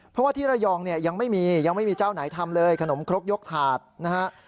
เพราะว่าที่ระยองเนี่ยยังไม่มียังไม่มีเจ้าไหนทำเลยขนมครกยกถาดนะฮะ